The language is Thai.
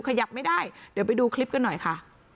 ขยับไม่ได้เดี๋ยวไปดูคลิปกันหน่อยค่ะ